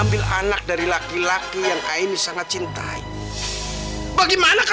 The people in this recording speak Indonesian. tidak ada lagi bahwa kamu st pixel pasti gak ngerti